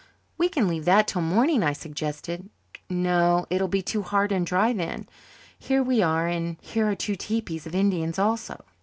"We can leave that till the morning," I suggested. "No, it will be too hard and dry then. Here we are and here are two tepees of Indians also!"